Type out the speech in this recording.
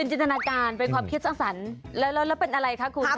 จินตนาการเป็นความคิดสร้างสรรค์แล้วเป็นอะไรคะคุณ